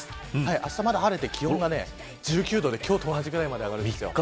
あしたまだ晴れて気温が１９度で今日と同じぐらいまで上がるんですよ。